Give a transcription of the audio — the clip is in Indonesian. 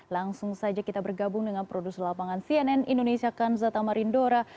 langsung saja kita bergabung dengan produser lapangan cnn indonesia kanza tamarindora